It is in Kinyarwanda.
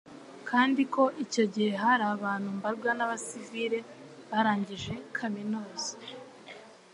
kandi ko icyo gihe hari abantu mbarwa b'abasivile barangije kaminuza